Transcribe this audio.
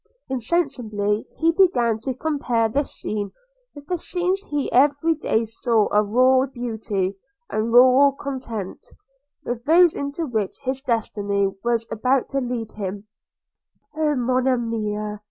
Insensibly he began to compare this scene, the scenes he every day saw of rural beauty and rural content, with those into which his destiny was about to lead him – 'Oh, Monimia!'